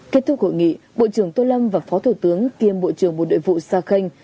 kết thúc hội nghị bộ trưởng tô lâm và phó thủ tướng kiêm bộ trưởng bộ đội vụ sakhen